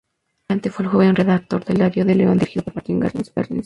Más adelante fue el joven redactor del Diario de León dirigido por Martín Granizo.